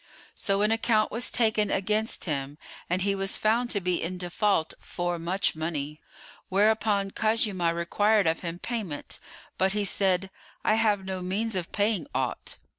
[FN#107] So an account was taken against him and he was found to be in default for much money; whereupon Khuzaymah required of him payment, but he said, "I have no means of paying aught."